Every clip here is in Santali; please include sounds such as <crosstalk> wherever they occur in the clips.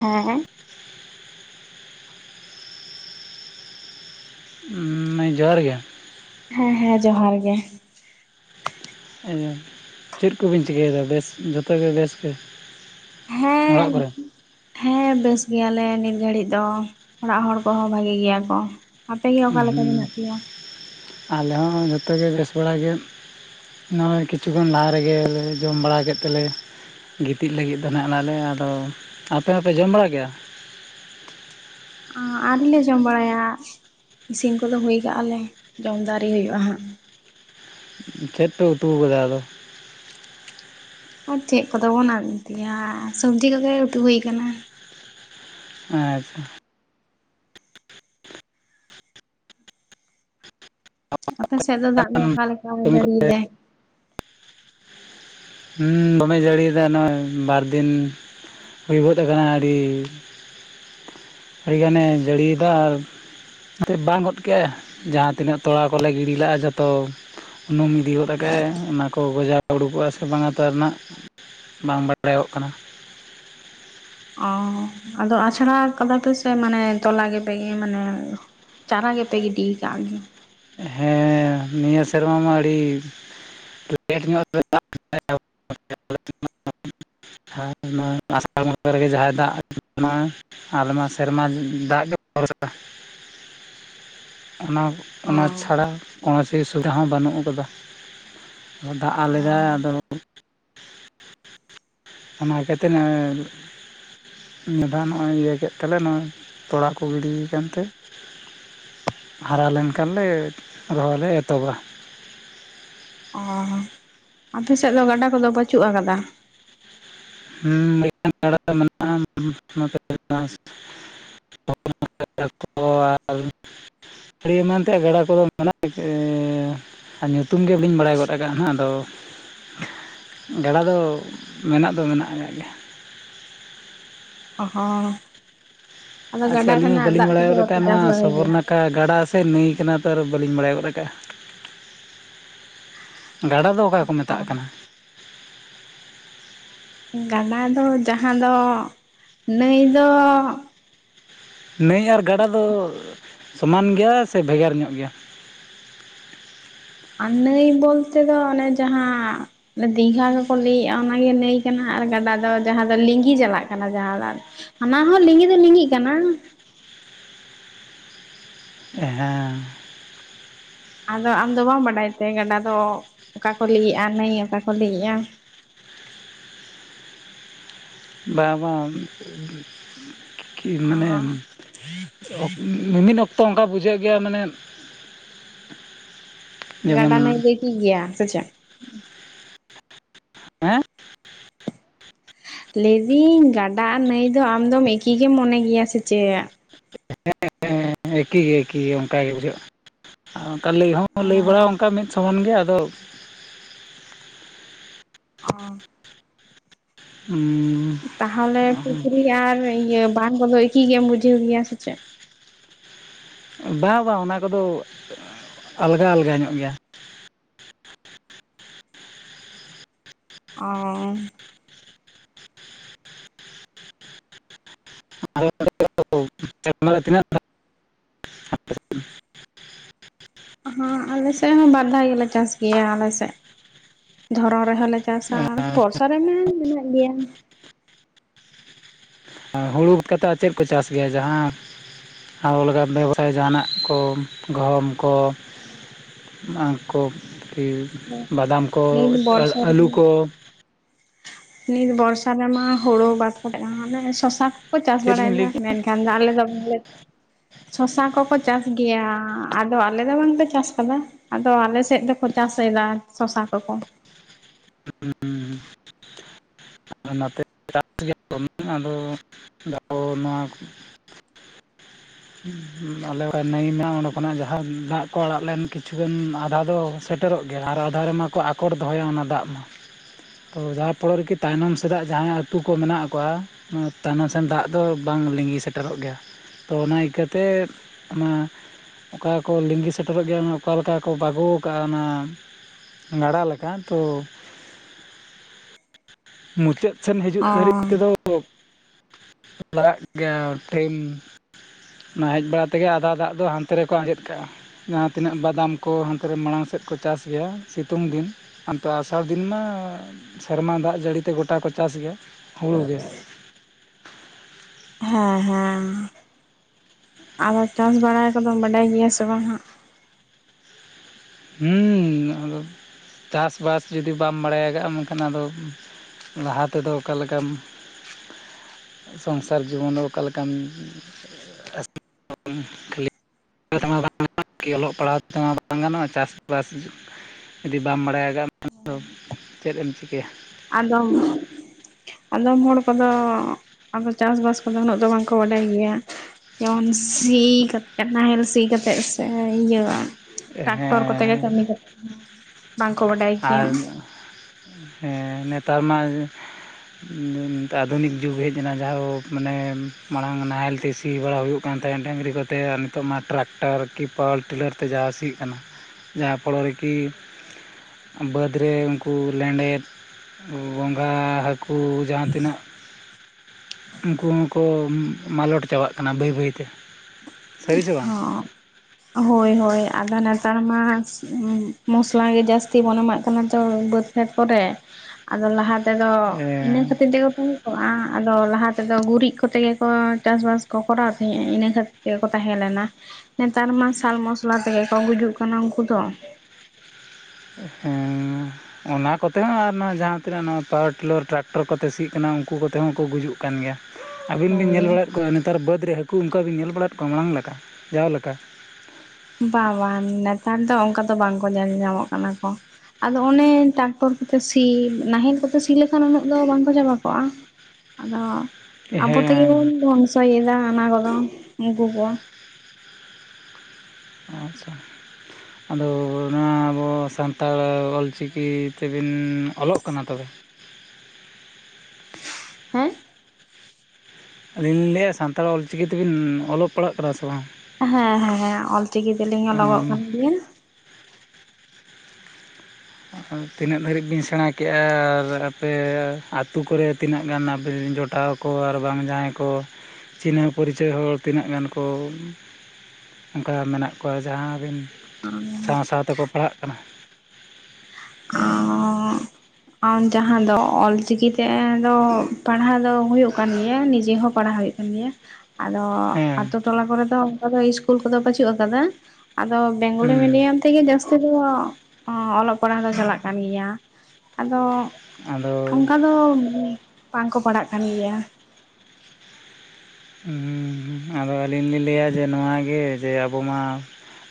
ᱦᱮᱸ <unintelligible> ᱡᱚᱦᱟᱨ ᱜᱮ ᱦᱮᱸ ᱦᱮᱸ ᱡᱚᱦᱟᱨ ᱜᱮ ᱪᱮᱫ ᱠᱚᱵᱤᱱ ᱪᱤᱠᱟᱹᱭ ᱮᱫᱟ ᱵᱮᱥ ᱡᱚᱛᱚ ᱜᱮ ᱵᱮᱥ ᱜᱮ? ᱚᱲᱟᱜ ᱦᱮᱸ ᱠᱚᱨᱮ ᱦᱮᱸ ᱵᱮᱥ ᱜᱮᱭᱟᱞᱮ ᱱᱤᱛ ᱜᱷᱟᱹᱲᱤᱡ ᱫᱚ, ᱚᱲᱟᱜ ᱦᱚᱲ ᱠᱚ ᱦᱚᱸ ᱵᱷᱟᱜᱤ ᱜᱮᱭᱟ ᱠᱚ᱾ ᱟᱯᱮᱜᱮ ᱚᱠᱟ ᱞᱮᱠᱟ ᱦᱮ ᱢᱮᱱᱟᱜ ᱯᱮᱭᱟ ᱟᱞᱮ ᱦᱚᱸ ᱡᱚᱛᱚ ᱜᱮ ᱵᱮᱥ ᱵᱟᱲᱟ ᱜᱮ᱾ ᱱᱚᱜᱼᱚᱭ ᱠᱤᱪᱷᱩᱩᱜ ᱠᱷᱚᱱ ᱞᱟᱦᱟ ᱨᱮᱜᱮᱞᱮ ᱡᱚᱢ ᱵᱟᱲᱟ ᱠᱮᱫ ᱛᱮᱞᱮ ᱜᱤᱛᱤᱡ ᱞᱟᱹᱜᱤᱫ ᱫᱚ ᱱᱟᱦᱟᱜ ᱚᱱᱟᱞᱮ ᱟᱫᱚ, ᱟᱯᱮ ᱦᱚᱸᱯᱮ ᱡᱚᱢ ᱵᱟᱲᱟ ᱠᱮᱫᱟ? ᱟᱨᱤᱞᱮ ᱡᱚᱢ ᱵᱟᱲᱟᱭᱟ, ᱤᱥᱤᱱ ᱠᱚ ᱫᱚ ᱦᱩᱭ ᱠᱟᱜᱼᱟᱞᱮ ᱡᱚᱢ ᱫᱚ ᱟᱮᱨᱤ ᱦᱩᱭᱩᱜᱼᱟ ᱦᱟᱸᱜ᱾ ᱪᱮᱫ ᱯᱮ ᱩᱛᱩ ᱠᱟᱫᱟ ᱟᱫᱚ? ᱟᱨ ᱪᱮᱫ ᱠᱚ ᱫᱚ ᱚᱱᱟ <inaudible> ᱛᱮᱭᱟ ᱥᱚᱵᱡᱤ ᱠᱚ ᱜᱮ ᱩᱛᱩ ᱦᱩᱭ ᱟᱠᱟᱱᱟ ᱟᱪᱪᱷᱟ ᱟᱯᱮ ᱥᱮᱫ ᱫᱚ ᱫᱟᱜ ᱫᱚ ᱠᱟᱹᱢᱤ ᱚᱠᱟ ᱞᱮᱠᱟ ᱠᱚ ᱡᱟᱹᱲᱤᱭ ᱮᱫᱟᱭ? ᱦᱚᱸ ᱫᱚᱢᱮ ᱡᱟᱹᱲᱤᱭᱮᱫᱟ ᱱᱚᱜᱼᱚᱭ ᱵᱟᱨ ᱫᱤᱱ ᱦᱩᱭ ᱜᱚᱫ ᱟᱠᱟᱱᱟ ᱟᱹᱰᱤ ᱟᱹᱰᱤᱜᱟᱱᱮ ᱡᱟᱹᱲᱤᱭᱮᱫᱟ ᱟᱨ <unintelligible> ᱵᱟᱱ ᱜᱚᱫ ᱠᱮᱜᱼᱟ ᱡᱟᱦᱟᱸ ᱛᱤᱱᱟᱹᱜ ᱛᱚᱞᱟ ᱠᱚᱞᱮ ᱜᱤᱲᱤ ᱞᱟᱜᱼᱟ ᱡᱚᱛᱚ ᱩᱱᱩᱢ ᱤᱫᱤ ᱜᱚᱫ ᱠᱟᱭ ᱚᱱᱟ ᱠᱚ ᱜᱚᱡᱟᱣ ᱩᱰᱩᱠᱚᱜᱼᱟ ᱥᱮ ᱥᱮ ᱵᱟᱝᱟᱛᱟᱨ ᱨᱮᱱᱟᱜ ᱵᱟᱝ ᱵᱟᱰᱟᱭᱚᱜ ᱠᱟᱱᱟ ᱚ ᱟᱫᱚ ᱟᱪᱲᱟ ᱠᱟᱫᱟ ᱯᱮᱥᱮ ᱢᱟᱱᱮ ᱛᱚᱞᱟ ᱜᱮᱯᱮ ᱜᱮ ᱢᱟᱱᱮ ᱪᱟᱨᱟ ᱜᱮᱯᱮ ᱜᱤᱰᱤ ᱠᱟᱜᱽ ᱜᱮᱭᱟ ᱦᱮᱸ ᱱᱤᱭᱟᱹ ᱥᱮᱨᱢᱟ ᱢᱟ ᱟᱹᱰᱤ <unintelligible> ᱟᱨ ᱱᱳᱭᱟ ᱟᱥᱟᱲ ᱵᱚᱸᱜᱟ ᱨᱮᱜᱮ ᱡᱟᱦᱟᱸᱭ ᱫᱟᱜ ᱟᱵᱩ ᱠᱟᱱᱟᱭ ᱟᱞᱮᱢᱟ ᱥᱮᱨᱢᱟ ᱫᱟᱜ ᱜᱮ ᱵᱷᱚᱨᱥᱟ, ᱚᱱᱟ ᱚ ᱚᱱᱟ ᱪᱷᱟᱲᱟ <unintelligible> ᱥᱩᱵᱤᱫᱷᱟ ᱦᱚᱸ ᱵᱟᱹᱱᱩᱜ ᱟᱠᱟᱫᱟ ᱟ ᱫᱟᱜ ᱞᱮᱫᱟᱭ ᱟᱫᱚ ᱚ ᱚᱱᱟ ᱤᱠᱟᱹᱛᱮ ᱱᱳᱭ ᱢᱤᱫ ᱫᱷᱟᱣ ᱱᱚᱜᱼᱚᱭ ᱞᱟᱹᱭ ᱠᱮᱫ ᱛᱟᱞᱮ ᱱᱚᱜᱼᱚᱭ ᱛᱚᱲᱟ ᱠᱚ ᱜᱤᱰᱤᱭ ᱠᱟᱱ ᱛᱮ ᱦᱟᱨᱟ ᱞᱮᱱ ᱠᱷᱟᱱ ᱞᱮ ᱨᱚᱦᱚᱭ ᱞᱮ ᱮᱛᱚᱦᱚᱵᱟ ᱚ, ᱟᱯᱮ ᱥᱮᱫ ᱫᱚ ᱜᱟᱰᱟ ᱠᱚᱫᱚ ᱵᱟ. ᱪᱩᱜ ᱟᱠᱟᱫᱟ? ᱦᱮᱸ ᱢᱤᱫᱴᱟᱱ ᱢᱮᱱᱟᱜᱼᱟ <unintelligible> ᱟᱹᱰᱤ ᱮᱢᱟᱱ ᱛᱮᱭᱟᱜ ᱜᱟᱰᱟ ᱠᱚᱫᱚ ᱢᱟᱱᱮ ᱟ ᱧᱩᱛᱩᱢ ᱜᱮᱞᱤᱧ ᱵᱟᱲᱟᱭ ᱜᱚᱫ ᱟᱠᱟᱟᱜᱼᱟ ᱱᱟᱦᱟᱜ ᱟᱫᱚ ᱜᱟᱰᱟ ᱫᱚ ᱢᱮᱱᱟᱜ ᱫᱚ ᱢᱮᱱᱟᱜ ᱟᱠᱟᱜ ᱜᱮᱭᱟ ᱚ ᱦᱚᱸᱝ ᱟᱪᱪᱷᱟ ᱟᱹᱞᱤᱧ ᱢᱟ ᱵᱟᱹᱞᱤᱧ ᱵᱟᱲᱟᱭ ᱛᱮᱫᱚ ᱞᱮᱫ ᱵᱟᱯᱮ ᱛᱟᱸᱦᱮᱱᱟ ᱪᱟᱥ ᱵᱟᱲᱟᱭ ᱜᱮᱭᱟ? ᱥᱚᱵᱚᱨᱱᱟ ᱱᱟᱠᱷᱟ ᱜᱟᱰᱟ ᱥᱮᱱ ᱱᱟᱹᱭ ᱠᱟᱱᱟ ᱛᱚ ᱵᱟᱹᱞᱤᱧ ᱵᱟᱲᱟᱭ ᱜᱚᱫ ᱠᱟᱜᱼᱟ ᱜᱟᱰᱟ ᱫᱚ ᱚᱠᱟ ᱠᱚ ᱚ ᱢᱮᱛᱟᱜ ᱠᱟᱱᱟ? ᱜᱟᱰᱟ ᱫᱚ ᱡᱟᱦᱟᱸ ᱫᱚ ᱱᱟᱹᱭ ᱫᱚ ᱱᱟᱹᱭ ᱟᱨ ᱜᱟᱰᱟ ᱫᱚ ᱥᱚᱢᱟᱱ ᱜᱮᱭᱟ ᱥᱮ ᱵᱷᱮᱜᱟᱨ ᱧᱚᱜ ᱜᱮᱭᱟ? ᱟᱨ ᱱᱟᱹᱭ ᱵᱚᱞᱛᱮ ᱫᱚ ᱚᱱᱮ ᱡᱟᱦᱟᱸ ᱫᱤᱜᱷᱟ ᱫᱚᱠᱚ ᱞᱟᱹᱭᱮᱜᱼᱟ ᱚᱱᱟᱜᱮ ᱱᱟᱹᱭ ᱠᱟᱱᱟ ᱟᱨ ᱜᱟᱰᱟ ᱫᱚ ᱡᱟᱦᱟᱸ ᱫᱚ ᱞᱤᱸᱜᱤ ᱪᱟᱞᱟᱜ ᱠᱟᱱᱟ ᱡᱟᱦᱟᱸ ᱦᱟᱱᱟ ᱦᱚᱸ ᱞᱤᱸᱜᱤ ᱫᱚ ᱞᱤᱸᱜᱤᱜ ᱠᱟᱱᱟ ᱦᱮᱸ ᱟᱫᱚ ᱟᱢᱫᱚ ᱵᱟᱢ ᱵᱟᱰᱟᱭ ᱛᱮ ᱜᱟᱰᱟ ᱫᱚ ᱚᱠᱟ ᱠᱚ ᱞᱟᱹᱭᱮᱜᱼᱟ ᱱᱟᱹᱭ ᱚᱠᱟ ᱠᱚ ᱞᱟᱹᱭᱮᱜᱼᱟ ᱵᱟᱝ ᱵᱟᱝ ᱠᱤ <unintelligible> ᱚ ᱢᱟᱱᱮ ᱢᱤᱢᱤᱫ ᱚᱠᱛᱚ ᱚᱱᱠᱟ ᱵᱩᱡᱷᱟᱹᱜ ᱜᱮᱭᱟ ᱢᱟᱱᱮ ᱜᱟᱰᱟ ᱡᱮᱢᱚᱱ ᱱᱟᱹᱭ ᱫᱚ ᱮᱠᱤ ᱜᱮᱭᱟ ᱥᱮ ᱪᱮᱫ ᱦᱮᱸ ᱞᱟᱹᱭᱫᱟᱹᱧ ᱜᱟᱰᱟ ᱱᱟᱹᱭ ᱫᱚ ᱟᱢᱫᱚᱢ ᱮᱠᱤ ᱜᱮᱢ ᱢᱚᱱᱮ ᱜᱮᱭᱟ ᱥᱮ ᱪᱮᱫ? ᱦᱮᱸ ᱦᱮᱸ ᱮᱠᱤ ᱜᱮ ᱮᱠᱤ ᱜᱮ ᱚᱱᱠᱟᱟᱜ ᱜᱮ ᱵᱩᱡᱷᱟᱹᱜᱼᱟ ᱚᱱᱠᱟ ᱞᱟᱹᱭ ᱦᱚᱸ ᱞᱟᱹᱭ ᱵᱟᱲᱟ ᱚᱱᱠᱟ ᱢᱤᱫ ᱥᱚᱢᱟᱱ ᱜᱮ ᱟᱫᱚ ᱟᱸ <unintelligible> ᱛᱟᱦᱚᱞᱮ ᱯᱩᱠᱷᱨᱤ ᱟᱨ ᱤᱭᱟᱹ ᱵᱟᱸᱱᱫ ᱠᱚᱫᱚ ᱮᱠᱤ ᱜᱮᱢ ᱵᱩᱡᱷᱟᱹᱣ ᱜᱮᱭᱟ ᱥᱮ ᱪᱮᱫ ᱵᱟ ᱵᱟ ᱚᱱᱟ ᱠᱚᱫᱚ ᱟᱞᱜᱟ ᱟᱞᱜᱟ ᱧᱚᱜ ᱜᱮᱭᱟ ᱚᱸ <unintelligible> ᱛᱤᱱᱟᱹᱜ <unintelligible> ᱦᱮᱸ ᱟᱞᱮ ᱥᱮᱫ ᱦᱚᱸ ᱵᱟᱨ ᱫᱷᱟᱣ ᱜᱮᱞᱮ ᱪᱟᱥ ᱜᱮᱭᱟ ᱟᱞᱮ ᱥᱮᱫ ᱫᱷᱚᱨᱚᱢ ᱨᱮᱦᱚᱸᱞᱮ ᱪᱟᱥᱟ ᱵᱚᱨᱥᱟ ᱨᱮᱢᱟ ᱢᱮᱱᱟᱜ ᱜᱮᱭᱟ᱾ ᱦᱩᱲᱩ ᱵᱟᱫ ᱠᱟᱛᱮᱫ ᱟᱨ ᱪᱮᱫ ᱠᱚ ᱪᱟᱥ ᱜᱮᱭᱟ ᱡᱟᱦᱟᱸ ᱟᱵᱚ ᱵᱮᱵᱥᱟᱭᱟ ᱡᱟᱦᱟᱱᱟᱜ ᱠᱚ ᱜᱚᱦᱚᱢ ᱠᱚ ᱠᱚ ᱠᱤ ᱵᱟᱫᱟᱢ ᱠᱚ ᱱᱤᱛ ᱵᱚᱨᱥᱟ ᱨᱮ ᱟᱹᱞᱩ ᱠᱚ ᱱᱤᱛ ᱵᱚᱨᱥᱟ ᱨᱮᱢᱟ ᱦᱩᱲᱩ ᱵᱟᱫ ᱠᱟᱛᱮᱫ ᱢᱟᱱᱮ ᱥᱚᱥᱟ ᱠᱚ ᱠᱚ ᱪᱟᱥ ᱪᱮᱫ ᱵᱟᱲᱟᱭ ᱵᱤᱱ ᱫᱟ ᱞᱟᱹᱭ ᱠᱮᱫ ᱢᱮᱱ <unintelligible> ᱥᱚᱥᱟ ᱠᱚ ᱠᱚ ᱪᱟᱥ ᱜᱮᱭᱟ, ᱟᱫᱚ ᱟᱞᱮ ᱫᱚ ᱵᱟᱝ ᱞᱮ ᱪᱟᱥ ᱟᱠᱟᱫᱟ᱾ ᱟᱫᱚ ᱟᱞᱮ ᱥᱮᱫ ᱫᱚ ᱠᱚ ᱪᱟᱥ ᱮᱫᱟ ᱥᱚᱥᱟ ᱠᱚ ᱠᱚ <unintelligible> ᱟᱫᱚ ᱚᱱᱟᱛᱮ ᱪᱟᱥ <unintelligible> ᱱᱚᱣᱟ ᱟᱞᱮ ᱚᱱᱟ ᱱᱟᱹᱭ ᱢᱮᱱᱟᱜᱼᱟ ᱚᱸᱰᱮ ᱠᱷᱚᱱᱟᱜ ᱡᱟᱦᱟᱸ ᱫᱟᱜ ᱠᱚ ᱟᱲᱟᱜ ᱞᱮᱱ ᱠᱤᱪᱷᱩ ᱜᱟᱱ ᱟᱫᱷᱟ ᱫᱚ ᱥᱮᱴᱮᱨᱚᱜ ᱜᱮᱭᱟ, ᱟᱫᱷᱟᱨᱮ ᱢᱟᱠᱚ ᱟᱠᱚᱴ ᱫᱚᱦᱚᱭᱟ ᱚᱱᱟ ᱫᱟᱜ ᱢᱟ᱾ ᱛᱚ ᱡᱟᱦᱟᱸ ᱯᱷᱚᱨᱮ ᱨᱮᱠᱤ ᱛᱟᱭ ᱱᱚᱢ ᱥᱮᱫᱟᱜ ᱡᱟᱦᱟᱸᱭ ᱟᱹᱛᱩ ᱠᱚ ᱢᱮᱱᱟᱜ ᱠᱚᱣᱟ ᱛᱟᱭᱱᱚᱢ ᱥᱮᱱ ᱫᱟᱜ ᱫᱚ ᱵᱟᱝ ᱞᱤᱸᱜᱤ ᱥᱮᱴᱮᱨᱚᱜ ᱜᱮᱭᱟ᱾ ᱛᱚ ᱚᱱᱟ ᱤᱠᱟᱹᱛᱮ ᱚᱱᱟ ᱚᱠᱟ ᱠᱚ ᱞᱤᱸᱜᱤ ᱥᱮᱴᱮ ᱨᱚᱜ ᱜᱮᱭᱟ ᱚᱠᱟ ᱞᱮᱠᱟ ᱠᱚ ᱵᱟᱜᱩ ᱟᱠᱟᱫ ᱚᱱᱟ ᱜᱟᱰᱟ ᱞᱮᱠᱟ ᱛᱚ ᱢᱩᱪᱟᱹᱫ ᱥᱮᱱ ᱦᱤᱡᱩᱜ ᱚ ᱫᱷᱟᱹᱨᱤᱡ ᱛᱮᱫᱚ ᱞᱟᱜᱟᱜ ᱜᱮᱭᱟ ᱴᱟᱭᱤᱢ ᱚᱱᱟ ᱦᱮᱡ ᱵᱟᱲᱟ ᱛᱮᱜᱮ ᱟᱫᱷᱟ ᱫᱟᱜ ᱫᱚ ᱦᱟᱱᱛᱮ ᱨᱮᱠᱚ ᱟᱸᱡᱮᱫ ᱠᱟᱜᱼᱟ ᱡᱟᱦᱟᱸᱛᱤᱱᱟᱹᱜ ᱵᱟᱫᱟᱢ ᱠᱚ ᱦᱟᱱᱛᱮ ᱨᱮ ᱢᱟᱲᱟᱝ ᱥᱮᱫ ᱠᱚ ᱪᱟᱥ ᱜᱮᱭᱟ ᱥᱤᱛᱩᱝ ᱫᱤᱱ ᱚᱱᱛᱮ ᱟᱥᱟᱲ ᱫᱤᱱ ᱢᱟ ᱥᱮᱨᱢᱟ ᱫᱟᱜ ᱡᱟᱹᱲᱤ ᱛᱮ ᱜᱚᱴᱟ ᱠᱚ ᱪᱟᱥ ᱜᱮᱭᱟ ᱦᱩᱲᱩ ᱜᱮ᱾ ᱦᱮᱸ ᱦᱮᱸ ᱟᱫᱚ ᱪᱟᱥ ᱵᱟᱲᱟ ᱠᱚᱫᱚᱢ ᱵᱟᱰᱟᱭ ᱜᱮᱭᱟ ᱥᱮ ᱵᱟᱝ ᱦᱟᱜ ᱦᱩᱸ ᱟᱫᱚ ᱪᱟᱥᱼᱵᱟᱥ ᱡᱩᱫᱤ ᱵᱟᱢ ᱵᱟᱲᱟᱭ ᱠᱟᱜᱼᱟ ᱢᱮᱱ ᱠᱷᱟᱱ ᱟᱫᱚ ᱞᱟᱦᱟ ᱛᱮ ᱫᱚ ᱚᱠᱟ ᱞᱮᱠᱟᱢ ᱥᱚᱝ ᱥᱟᱨ ᱡᱤᱵᱚᱱ ᱨᱮ ᱚᱠᱟ ᱞᱮᱠᱟᱱ <unintelligible> ᱚᱞᱚᱜ ᱯᱟᱲᱦᱟᱣ ᱛᱮᱢᱟ ᱵᱟᱝ ᱜᱟᱱᱚᱜᱼᱟ ᱪᱟᱥ ᱵᱟᱥ ᱡᱩᱫᱤ ᱵᱟᱢ ᱵᱟᱲᱟᱭ ᱠᱟᱜ ᱠᱷᱟᱱ ᱫᱚ ᱪᱮᱫ ᱮᱢ ᱪᱤᱠᱟᱹᱭᱟ ᱟᱫᱚᱢ ᱟᱫᱚᱢ ᱦᱚᱲ ᱠᱚᱫᱚ ᱟᱫᱚ ᱪᱟᱥ ᱵᱟᱥ ᱠᱚᱫᱚ ᱩᱱᱟᱹᱜ ᱫᱚ ᱵᱟᱝ ᱠᱚ ᱵᱟᱰᱟᱭ ᱜᱮᱭᱟ᱾ ᱡᱮᱢᱚᱱ ᱥᱤ ᱠᱟᱛᱮᱫ ᱱᱟᱦᱮᱞ ᱥᱤ ᱠᱟᱛᱮᱫ ᱥᱮ ᱤᱭᱟᱹ ᱴᱟᱠ ᱴᱚᱨ ᱠᱚᱛᱮ ᱜᱮ ᱦᱮᱸ ᱠᱟᱹᱢᱤ ᱵᱟᱝᱠᱚ ᱵᱟᱰᱟᱭ ᱜᱮᱭᱟ ᱟᱨ ᱦᱮ ᱱᱮᱛᱟᱨ ᱢᱟ ᱟᱫᱷᱩᱱᱤᱠ ᱡᱩᱜᱽ ᱦᱮᱡ ᱮᱱᱟ ᱡᱟᱦᱟᱸ ᱫᱚ ᱢᱟᱱᱮ ᱢᱟᱲᱟᱝ ᱱᱟᱦᱮᱞ ᱛᱮ ᱥᱤ ᱵᱟᱲᱟ ᱦᱩᱭᱩᱜ ᱦᱩᱭᱩᱜ ᱠᱟᱱ ᱛᱟᱦᱮᱸᱫ ᱰᱟᱹᱝᱨᱤ ᱠᱚ ᱛᱮ ᱟᱨ ᱱᱤᱛᱚᱜ ᱢᱟ ᱴᱨᱟᱠᱴᱟᱨ ᱠᱤ ᱯᱟᱣᱟᱨ ᱴᱤᱞᱟᱨ ᱛᱮ ᱡᱟᱦᱟᱸ ᱥᱤᱜ ᱠᱟᱱᱟ ᱡᱟᱦᱟ ᱯᱚᱨᱮ ᱠᱤ ᱵᱟᱹᱫᱽ ᱨᱮ ᱩᱱ ᱠᱩ ᱞᱮᱸᱰᱮᱫ ᱜᱚᱸᱜᱷᱟ ᱦᱟᱹᱠᱩ <unintelligible> ᱡᱟᱦᱟᱸ ᱛᱤᱱᱟᱹᱜ ᱩᱱᱠᱩ ᱦᱚᱸ ᱠᱚ ᱢᱟᱞᱚᱴ ᱪᱟᱵᱟᱜ ᱠᱟᱱᱟ ᱵᱟᱹᱭ ᱵᱟᱹᱭ ᱛᱮ, ᱥᱟᱹᱨᱤ ᱥᱮ ᱵᱟᱝ? ᱦᱚᱸ ᱦᱳᱭ ᱦᱳᱭ ᱟᱫᱚ ᱱᱮᱛᱟᱨ ᱢᱟ ᱢᱚᱥᱞᱟ ᱜᱮ ᱡᱟᱹᱥᱛᱤ ᱵᱚᱱ ᱮᱢᱟᱜ ᱠᱟᱱᱟ ᱛᱚ ᱵᱟᱹᱫᱽ ᱠᱷᱮᱛ ᱠᱚᱨᱮ ᱟᱫᱚ ᱞᱟᱦᱟ ᱛᱮ ᱫᱚ ᱤᱱᱟᱹ ᱠᱷᱟᱹᱛᱤᱨ ᱛᱮ ᱜᱮ ᱛᱚ ᱟᱫᱚ ᱞᱟᱦᱟ ᱛᱮᱫᱚ ᱜᱩᱨᱤᱡ ᱠᱚᱛᱮ ᱜᱮ ᱠᱚ ᱪᱟᱥ ᱵᱟᱥ ᱠᱚ ᱠᱚᱨᱟᱣ ᱛᱟᱦᱮᱸᱜᱼᱟ ᱤᱱᱟᱹ ᱠᱷᱟᱹᱛᱤᱨ ᱛᱮ ᱜᱮ ᱠᱚ ᱛᱟᱦᱮᱸ ᱞᱮᱱᱟ ᱱᱮᱛᱟᱨ ᱢᱟ ᱥᱟᱨ ᱢᱚᱥᱞᱟ ᱛᱮ ᱜᱮ ᱠᱚ ᱜᱩᱡᱩᱜ ᱠᱟᱱᱟ ᱩᱱᱠᱩ ᱫᱚ᱾ ᱦᱮᱸ ᱚᱱᱟ ᱠᱚᱛᱮ ᱦᱚᱸ ᱟᱨ ᱱᱚᱣᱟ ᱡᱟᱦᱟᱸ ᱛᱤᱱᱟᱹᱜ ᱯᱟᱣᱟᱨ ᱴᱤᱞᱟᱨ ᱴᱨᱟᱠᱴᱚᱨ ᱠᱚ ᱛᱮ ᱥᱤᱜ ᱠᱟᱱᱟ ᱩᱱᱠᱩ ᱠᱚᱛᱮ ᱦᱚᱸᱠᱚ ᱜᱩᱡᱩᱜ ᱠᱟᱱ ᱜᱮᱭᱟ᱾ ᱟᱹᱵᱤᱱ ᱵᱤᱱ ᱧᱮᱞ ᱦᱳᱭ ᱵᱟᱲᱟ ᱭᱮᱫ ᱠᱚᱣᱟ ᱱᱮᱛᱟᱨ ᱵᱟᱹᱫᱽ ᱨᱮ ᱦᱟᱹᱠᱩ ᱚᱱᱠᱟ ᱵᱤᱱ ᱧᱮᱞ ᱵᱟᱲᱟ ᱭᱮᱫ ᱠᱚᱣᱟ ᱢᱟᱲᱟᱝ ᱞᱮᱠᱟ ᱡᱟᱣ ᱞᱮᱠᱟ ᱵᱟᱝ ᱵᱟᱝ ᱱᱮᱛᱟᱨ ᱫᱚ ᱚᱱᱠᱟ ᱫᱚ ᱵᱟᱝ ᱠᱚ ᱧᱮᱞ ᱧᱟᱢᱚᱜ ᱠᱟᱱᱟ ᱠᱚ ᱟᱫᱚ ᱚᱱᱮ ᱴᱨᱟᱠ ᱴᱚᱨ ᱠᱚᱛᱮ ᱥᱤ ᱱᱟᱦᱮᱞ ᱠᱚᱛᱮ ᱥᱤ ᱞᱮᱠᱷᱟᱱ ᱩᱱᱟᱹᱜ ᱫᱚ ᱵᱟᱝ ᱠᱚ ᱪᱟᱵᱟ ᱠᱚᱜᱼᱟ᱾ ᱟᱫᱚ ᱟᱵᱚ ᱛᱮ ᱜᱮ ᱵᱚᱱ ᱦᱮᱸ ᱫᱷᱚᱝᱥᱚᱭ ᱮᱫᱟ ᱚᱱᱟ ᱠᱚᱫᱚ ᱩᱱᱠᱩ ᱠᱚ ᱟᱪᱪᱷᱟ ᱟᱫᱚ ᱱᱚᱣᱟ ᱟᱵᱚ ᱥᱟᱱᱛᱟᱲ ᱚᱞᱪᱤᱠᱤ ᱛᱮ ᱵᱤᱱ ᱚᱞᱚᱜ ᱠᱟᱱᱟ ᱛᱚ ᱵᱮ <unintelligible> ᱟᱹᱞᱤᱧ ᱞᱤᱧ ᱞᱟᱹᱭᱮᱫᱼᱟ ᱥᱟᱱᱛᱟᱲ ᱚᱞᱪᱤᱠᱤ ᱛᱮᱵᱤᱱ ᱚᱞᱚᱜ ᱯᱟᱲᱦᱟᱜ ᱠᱟᱱᱟ ᱥᱮ ᱵᱟᱝ? ᱦᱮᱸ ᱦᱮᱸ ᱚᱞᱪᱤᱠᱤ ᱛᱮᱞᱤᱧ ᱚᱞᱚᱜᱚᱜ ᱠᱟᱱ ᱜᱮᱭᱟ᱾ ᱛᱤᱱᱟᱹᱜ ᱫᱷᱟᱹᱨᱤᱡ ᱵᱮᱱ ᱥᱮᱬᱟ ᱠᱮᱜᱼᱟ ᱟᱨ ᱟᱯᱮ ᱟᱛᱳ ᱠᱚᱨᱮ ᱛᱤᱱᱟᱹᱜ ᱜᱟᱱ ᱟᱵᱤᱱ ᱡᱚᱴᱟᱣ ᱠᱚ ᱟᱨ ᱵᱟᱝ ᱡᱟᱦᱟᱸᱭ ᱠᱚ ᱪᱤᱱᱦᱟᱹ ᱯᱚᱨᱤᱪᱚᱭ ᱦᱚᱲ ᱛᱤᱱᱟᱹᱜ ᱜᱟᱱ ᱠᱚ ᱚᱱᱠᱟ ᱢᱮᱱᱟᱜ ᱠᱚᱣᱟ ᱡᱟᱦᱟᱸᱵᱤᱱ ᱥᱟᱶ ᱥᱟᱶ ᱛᱮᱠᱚ ᱯᱟᱲᱦᱟᱜ ᱠᱟᱱᱟ ᱟᱨ ᱡᱟᱦᱟᱸ ᱫᱚ ᱚᱞᱪᱤᱠᱤ ᱛᱮ ᱛᱚ ᱯᱟᱲᱦᱟᱣ ᱫᱚ ᱦᱩᱭᱩᱜ ᱠᱟᱱ ᱜᱮᱭᱟ ᱱᱤᱡᱮ ᱦᱚᱸ ᱯᱟᱲᱦᱟᱣ ᱦᱩᱭᱩᱜ ᱠᱟᱱᱟ᱾ ᱜᱮᱭᱟ ᱟᱫᱚ ᱦᱮᱸ ᱟᱛᱳ ᱴᱚᱞᱟ ᱠᱚᱨᱮ ᱫᱚ ᱫᱚ ᱤᱥᱠᱩᱞ ᱠᱚᱫᱚ ᱵᱟᱹᱪᱩᱜ ᱟᱠᱟᱫᱟ ᱟᱫᱚ ᱵᱮᱝᱜᱚᱞᱤ ᱦᱮᱸ ᱢᱤᱰᱤᱭᱟᱢ ᱛᱮᱜᱮ ᱡᱟᱹᱥᱛᱤ ᱫᱚ ᱚᱞᱚᱜ ᱯᱟᱲᱦᱟᱜ ᱫᱚ ᱪᱟᱞᱟᱜ ᱠᱟᱱ ᱜᱮᱭᱟ᱾ ᱟᱫᱚ ᱟᱫᱚ ᱚᱱᱠᱟ ᱫᱚ ᱵᱟᱝᱠᱚ ᱯᱟᱲᱟᱜ ᱠᱟᱱ ᱜᱮᱭᱟ᱾ <unintelligible> ᱟᱫᱚ ᱟᱹᱞᱤᱧ ᱞᱤᱧ ᱞᱟᱹᱭᱟ ᱡᱮ ᱱᱚᱣᱟᱜᱮ ᱡᱮ ᱟᱵᱚ ᱢᱟ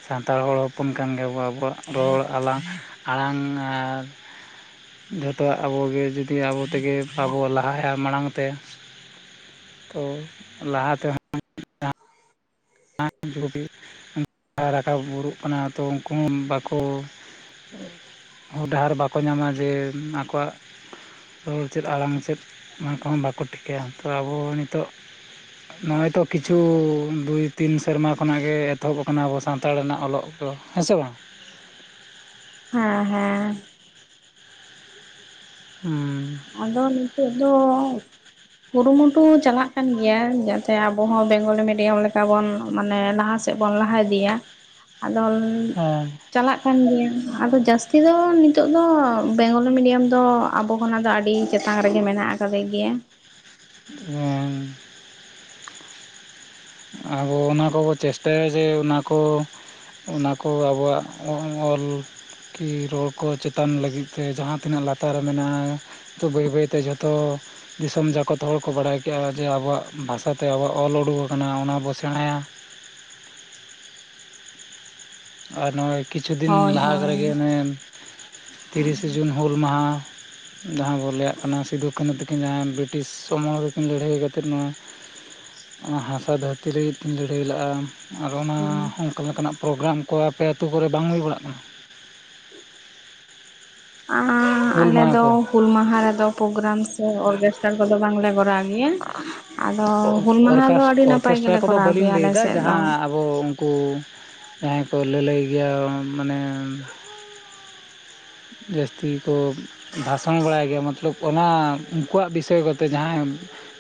ᱥᱟᱱᱛᱟᱲ ᱦᱚᱲ ᱦᱚᱯᱚᱱ ᱠᱟᱱ ᱜᱮᱭᱟᱵᱚ ᱟᱵᱚᱣᱟᱜ ᱨᱚᱲ ᱟᱞᱟᱝ ᱟᱲᱟᱝ ᱟᱨ ᱡᱷᱚᱛᱚᱣᱟᱜ ᱟᱵᱚᱜᱮ ᱡᱩᱫᱤ ᱟᱵᱚ ᱛᱮᱜᱮ ᱵᱟᱵᱚ ᱞᱟᱦᱟᱭᱟ ᱢᱟᱲᱟᱝ ᱛᱮ ᱛᱚ ᱞᱟᱦᱟ ᱛᱮᱦᱚᱸ <unintelligible> ᱨᱟᱠᱟᱵᱩᱨᱩᱜ ᱠᱟᱱᱟ ᱛᱚ ᱩᱱᱠᱩ ᱦᱚᱸ ᱵᱟᱠᱚ <inaudible> ᱦᱚᱨ ᱰᱟᱦᱟᱨ ᱵᱟᱠᱚ ᱧᱟᱢᱟ ᱡᱮ ᱟᱠᱚᱣᱟᱜ ᱨᱚᱲ ᱪᱮᱫ ᱟᱲᱟᱝ ᱪᱮᱫ ᱚᱱᱟ ᱠᱚᱦᱚᱸ ᱵᱟᱠᱚ ᱴᱷᱤᱠᱟᱹᱭᱟ ᱛᱚ ᱟᱵᱚ ᱱᱤᱛᱚᱜ ᱱᱚᱜᱼᱚᱭ ᱛᱚ ᱠᱤᱪᱷᱩ ᱫᱩᱭ ᱛᱤᱱ ᱥᱮᱨᱢᱟ ᱠᱷᱚᱱᱟᱜ ᱜᱮ ᱮᱛᱚᱦᱚᱵ ᱟᱠᱟᱱᱟ ᱟᱵᱚ ᱥᱟᱱᱛᱟᱲ ᱨᱮᱱᱟᱜ ᱚᱞᱚᱜ ᱫᱚ ᱦᱮᱸ ᱥᱮ ᱵᱟᱝ ᱦᱮᱸ ᱦᱮᱸ ᱦᱩᱸ ᱟᱫᱚ ᱱᱤᱛᱚᱜ ᱫᱚ ᱠᱩᱨᱩᱢᱩᱴᱩ ᱪᱟᱞᱟᱜ ᱠᱟᱱ ᱜᱮᱭᱟ᱾ ᱡᱟᱛᱮ ᱟᱵᱚ ᱦᱚᱸ ᱵᱮᱝᱜᱚᱞᱤ ᱢᱤᱰᱤᱭᱟᱢ ᱞᱮᱠᱟ ᱵᱚᱱ ᱢᱟᱱᱮ ᱞᱟᱦᱟ ᱥᱮᱫ ᱵᱚᱱ ᱞᱟᱦᱟ ᱤᱫᱤᱭᱟ᱾ ᱟᱫᱚ ᱪᱟᱞᱟᱜ ᱠᱟᱱ ᱜᱮᱭᱟ᱾ ᱟᱫᱚ ᱡᱟᱹᱥᱛᱤ ᱫᱚ ᱱᱤᱛᱚᱜ ᱫᱚ ᱵᱮᱝᱜᱚᱞᱤ ᱢᱤᱰᱤᱭᱟᱢ ᱫᱚ ᱟᱵᱚ ᱠᱷᱚᱱᱟᱜ ᱫᱚ ᱟᱹᱰᱤ ᱟᱹᱰᱤ ᱪᱮᱛᱟᱱ ᱨᱮᱜᱮ ᱢᱮᱱᱟᱜ ᱟᱠᱟᱫᱮ ᱜᱮᱭᱟ᱾ ᱚ <inaudible> ᱟᱵᱚ ᱚᱱᱟ ᱠᱚᱵᱚ ᱪᱮᱥᱴᱟᱭᱟ ᱡᱮ ᱚᱱᱟᱠᱚ ᱚᱱᱟᱠᱚ ᱟᱵᱚᱣᱟᱜ ᱚᱞ ᱠᱤ ᱨᱚᱲ ᱠᱚ ᱪᱮᱛᱟᱱ ᱞᱟᱹᱜᱤᱫ ᱛᱮ ᱡᱟᱦᱟᱸ ᱛᱤᱱᱟᱹᱜ ᱞᱟᱛᱟᱨ ᱢᱮᱱᱟᱜᱼᱟ᱾ ᱛᱚ ᱵᱟᱹᱭ ᱵᱟᱹᱭ ᱛᱮ ᱡᱷᱚᱛᱚ ᱫᱤᱥᱚᱢ ᱡᱟᱠᱚᱛ ᱦᱚᱲ ᱠᱚ ᱵᱟᱲᱟᱭ ᱠᱮᱜᱼᱟ᱾ ᱡᱮ ᱟᱵᱚᱣᱟᱜ ᱵᱷᱟᱥᱟᱛᱮ ᱟᱵᱚᱣᱟᱜ ᱚᱞ ᱩᱰᱩᱠ ᱟᱠᱟᱱᱟ, ᱚᱱᱟ ᱵᱚ ᱥᱮᱬᱟᱭᱟ᱾ ᱟᱨ ᱱᱚᱜᱼᱚᱭ ᱠᱤᱪᱷᱩ ᱫᱤᱱ ᱦᱳᱭ ᱞᱟᱦᱟ ᱦᱳᱭ ᱠᱚᱨᱮᱜᱮ ᱚᱱᱮ ᱛᱤᱨᱤᱥᱮ ᱡᱩᱱ ᱦᱩᱞ ᱢᱟᱦᱟ ᱡᱟᱦᱟᱸ ᱵᱚᱱ ᱞᱟᱹᱭᱟᱜ ᱠᱟᱱᱟ ᱥᱤᱫᱩ ᱠᱟᱹᱱᱦᱩ ᱛᱟᱹᱠᱤᱱᱟᱜ ᱵᱨᱤᱴᱤᱥ ᱥᱚᱢᱢᱚᱞ ᱛᱤᱠᱤᱱ ᱞᱟᱹᱲᱦᱟᱹᱭ ᱠᱟᱛᱮᱫ ᱱᱚᱣᱟ ᱚᱱᱟ ᱦᱟᱥᱟ ᱫᱷᱟᱹᱨᱛᱤ ᱞᱟᱹᱜᱤᱫ ᱠᱤᱱ ᱞᱟᱹᱲᱦᱟᱹᱭ ᱞᱟᱜᱼᱟ᱾ ᱟᱨ ᱚᱱᱟ ᱚᱱᱠᱟ ᱞᱮᱠᱟᱱᱟᱜ ᱯᱨᱳᱜᱨᱟᱢ ᱠᱚ ᱟᱯᱮ ᱟᱹᱛᱩᱳ ᱠᱚᱨᱮ ᱵᱟᱝ ᱦᱩᱭ ᱵᱟᱲᱟᱜ ᱠᱟᱱᱟ? ᱟᱸ ᱦᱩᱞ ᱟᱞᱮ ᱢᱟᱦᱟ ᱫᱚ ᱠᱚ ᱦᱩᱞ ᱢᱟᱦᱟ ᱨᱮᱫᱚ ᱯᱨᱳᱜᱨᱟᱢ ᱥᱮ ᱚᱨᱜᱮᱥᱴᱟᱨ ᱠᱚᱫᱚ ᱵᱟᱝᱞᱮ ᱠᱚᱨᱟᱣ ᱜᱮᱭᱟ᱾ ᱟᱫᱚ ᱦᱩᱞ ᱢᱟᱦᱟ ᱫᱚ ᱚᱨᱠᱟᱥ ᱟᱹᱰᱤ ᱱᱟᱯᱟᱭ ᱚᱨᱠᱮᱥᱴᱨᱟ ᱜᱮᱞᱮ ᱠᱚᱫᱚ ᱠᱚᱨᱟᱣ ᱵᱟᱹᱞᱤᱧ ᱜᱮᱭᱟ ᱟᱞᱮ ᱞᱟᱹᱭᱫᱟ ᱥᱮᱫ ᱫᱚ᱾ ᱡᱟᱦᱟᱸ ᱟᱵᱚ ᱩᱱᱠᱩ ᱡᱟᱦᱟᱸᱭ ᱠᱚ ᱞᱟᱹᱞᱟᱹᱭ ᱜᱮᱭᱟ᱾ ᱢᱟᱱᱮ ᱡᱟᱹᱥᱛᱤ ᱠᱚ ᱵᱷᱟᱥᱚᱱ ᱵᱟᱲᱟᱭ ᱜᱮᱭᱟ ᱢᱚᱛᱞᱚᱵ ᱚᱱᱟ ᱩᱱᱠᱩᱣᱟᱜ ᱵᱤᱥᱚᱭ ᱠᱚᱛᱮ ᱡᱟᱦᱟᱸᱭ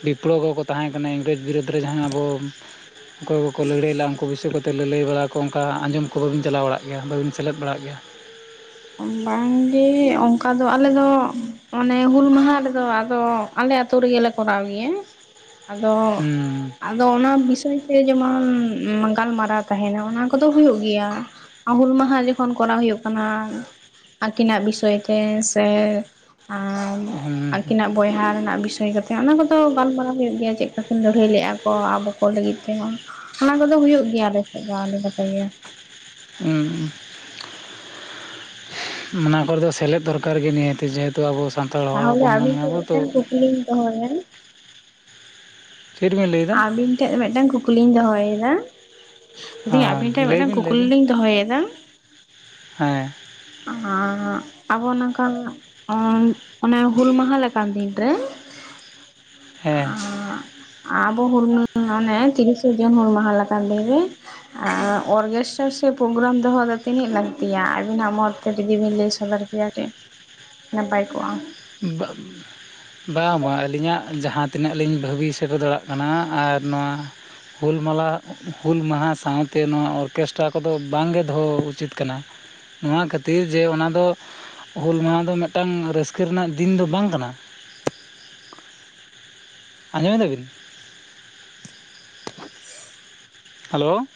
ᱵᱤᱯᱞᱚᱵ ᱠᱚᱠᱚ ᱛᱟᱦᱮᱸ ᱠᱟᱱᱟ ᱤᱝᱨᱮᱡᱽ ᱵᱤᱨᱩᱫᱽ ᱨᱮ ᱡᱟᱦᱟᱸ ᱟᱵᱚ ᱚᱠᱚᱭ ᱠᱚᱠᱚ ᱞᱟᱹᱲᱦᱟᱹᱭ ᱞᱟᱜ-ᱟ ᱩᱱᱠᱩ ᱵᱤᱥᱚᱭ ᱠᱚᱛᱮ ᱞᱟᱹᱞᱟᱹᱭ ᱵᱟᱲᱟ ᱠᱚ ᱚᱱᱠᱟ ᱟᱸᱡᱚᱢ ᱠᱚ ᱵᱟᱵᱤᱱ ᱪᱟᱞᱟᱣ ᱵᱟᱲᱟᱜ ᱜᱮᱭᱟ, ᱵᱟᱹᱵᱤᱱ ᱥᱮᱞᱮᱫ ᱵᱟᱲᱟᱜ ᱜᱮᱭᱟ᱾ ᱵᱟᱝᱜᱮ ᱚᱱᱠᱟ ᱫᱚ ᱟᱞᱮ ᱚᱱᱮ ᱦᱩᱞ ᱢᱟᱦᱟ ᱨᱮᱫᱚ ᱟᱫᱚ ᱟᱞᱮ ᱟᱹᱛᱩ ᱨᱮᱜᱮᱞᱮ ᱠᱚᱨᱟᱣ ᱜᱮᱭᱟ᱾ ᱟᱫᱚ ᱦᱩᱸ ᱟᱫᱚ ᱚᱱᱟ ᱵᱤᱥᱚᱭ ᱛᱮ ᱡᱮᱢᱚᱱ ᱜᱟᱞᱢᱟᱨᱟᱣ ᱛᱟᱦᱮᱸᱱᱟ, ᱚᱱᱟ ᱠᱚᱫᱚ ᱦᱩᱭᱩᱜ ᱜᱮᱭᱟ᱾ ᱟ ᱦᱩᱞ ᱢᱟᱦᱟ ᱡᱚᱠᱷᱚᱱ ᱠᱚᱨᱟᱣ ᱦᱩᱭᱩᱜ ᱠᱟᱱᱟ᱾ ᱟᱹᱠᱤᱱᱟᱜ ᱵᱤᱥᱚᱭ ᱛᱮ ᱥᱮ ᱦᱩᱸ ᱟᱹᱠᱤᱱᱟᱜ ᱵᱚᱭᱦᱟ ᱨᱮᱱᱟᱜ ᱵᱤᱥᱚᱭ ᱠᱟᱛᱮ ᱚᱱᱟ ᱠᱚᱫᱚ ᱜᱟᱞᱢᱟᱨᱟᱣ ᱦᱩᱭᱩᱜ ᱜᱮᱭᱟ᱾ ᱪᱮᱫᱠᱟ ᱠᱤᱱ ᱞᱟᱹᱲᱦᱟᱹᱭ ᱞᱮᱫᱼᱟ ᱠᱚ ᱟᱵᱚ ᱠᱚ ᱞᱟᱹᱜᱤᱫ ᱛᱮᱦᱚᱸ? ᱚᱱᱟ ᱠᱚᱫᱚ ᱦᱩᱭᱩᱜ ᱜᱮᱭᱟ ᱟᱞᱮᱥᱮᱫ ᱫᱚ ᱟᱹᱰᱤ ᱱᱟᱯᱟᱭ ᱜᱮ᱾ ᱦᱩᱸ ᱦᱩᱸ ᱚᱱᱟ ᱠᱚᱨᱮ ᱫᱚ ᱥᱮᱞᱮᱫ ᱫᱚᱨᱠᱟᱨ ᱜᱮ, ᱱᱤᱦᱟᱹᱛᱤ ᱡᱮᱦᱮᱛᱩ ᱟᱵᱚ ᱥᱟᱱᱛᱟᱲ ᱛᱚ ᱦᱚᱲ ᱛᱟᱦᱚᱞᱮ ᱦᱚᱯᱚᱱ ᱠᱟᱱ ᱟᱹᱵᱤᱱ ᱜᱮᱭᱟ ᱴᱷᱮᱱ ᱵᱚᱱ ᱛᱚ᱾ ᱢᱤᱫᱴᱮᱱ ᱠᱩᱠᱞᱤᱧ ᱫᱚᱦᱚᱭᱟ ᱪᱮᱫ ᱵᱮᱱ ᱞᱟᱹᱭᱮᱫ? ᱟᱵᱤᱱ ᱴᱷᱮᱱ ᱢᱤᱫᱴᱟᱱ ᱠᱩᱠᱞᱤᱧ ᱫᱚᱦᱚᱭᱮᱫᱟ᱾ ᱫᱤᱸᱭᱮ ᱦᱚᱸ ᱟᱵᱤᱱ ᱴᱷᱮᱱ ᱞᱟᱹᱭ ᱢᱤᱫᱴᱟᱝ ᱵᱤᱱ ᱞᱟᱹᱭ ᱠᱩᱠᱞᱤ ᱵᱤᱱ ᱞᱤᱧ ᱫᱚᱦᱚᱭᱮᱫᱟ᱾ ᱦᱮᱸ <unintelligible> ᱟᱵᱚ ᱱᱚᱝᱠᱟᱱ ᱚᱱ ᱚᱱᱮ ᱦᱩᱞ ᱢᱟᱦᱟ ᱞᱮᱠᱟᱱ ᱫᱤᱱ ᱨᱮ ᱦᱮᱸ ᱟᱸᱻᱦ ᱟᱵᱚ ᱦᱩᱞ ᱢᱟᱱᱮ ᱛᱤᱨᱤᱥᱮ ᱡᱩᱱ ᱦᱩᱞ ᱢᱟᱦᱟ ᱞᱮᱠᱟᱱ ᱫᱤᱱ ᱨᱮ ᱟᱨ ᱚᱨᱜᱮᱥᱴᱟᱨ ᱥᱮ ᱯᱨᱳᱜᱨᱟᱢ ᱫᱚᱦᱚ ᱫᱚ ᱛᱤᱱᱟᱹᱜ ᱞᱟᱹᱠᱛᱤᱭᱟ ᱟᱹᱵᱤᱱᱟᱜ ᱢᱚᱛ? ᱠᱟᱹᱴᱤᱡ ᱡᱩᱫᱤ ᱵᱤᱱ ᱞᱟᱹᱭ ᱥᱚᱫᱚᱨ ᱠᱮᱭᱟ, ᱟᱹᱰᱤ ᱱᱟᱯᱟᱭ ᱠᱚᱜᱼᱟ᱾ ᱵᱟᱝ ᱵᱟᱝ ᱵᱟᱝ ᱟᱹᱞᱤᱧᱟᱜ ᱡᱟᱦᱟᱸ ᱛᱤᱱᱟᱹᱜ ᱞᱤᱧ ᱵᱷᱟᱹᱵᱤ ᱥᱮᱴᱮᱨ ᱫᱟᱲᱮᱭᱟᱜ ᱠᱟᱱᱟ ᱟᱨ ᱱᱚᱣᱟ ᱦᱩᱞᱢᱟᱞᱟ ᱦᱩᱞ ᱢᱟᱦᱟ ᱥᱟᱶᱛᱮ ᱱᱚᱣᱟ ᱚᱨᱠᱮᱥᱴᱨᱟ ᱠᱚᱫᱚ ᱵᱟᱝᱜᱮ ᱫᱚᱦᱚ ᱩᱪᱤᱛ ᱠᱟᱱᱟ᱾ ᱱᱚᱣᱟ ᱠᱷᱟᱹᱛᱤᱨ ᱡᱮ ᱚᱱᱟᱫᱚ ᱦᱩᱞ ᱢᱟᱦᱟ ᱫᱚ ᱢᱤᱫᱴᱟᱝ ᱨᱟᱹᱥᱠᱟᱹ ᱨᱮᱱᱟᱜ ᱫᱤᱱ ᱫᱚ ᱵᱟᱝ ᱠᱟᱱᱟ᱾ ᱟᱸᱡᱚᱢᱮ ᱫᱟᱵᱤᱱ? ᱦᱮᱞᱳ